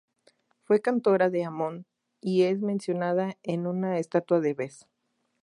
Fue cantora de Amón y es mencionada en una estatua de Bes.